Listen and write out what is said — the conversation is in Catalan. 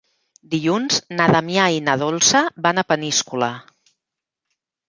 Dilluns na Damià i na Dolça van a Peníscola.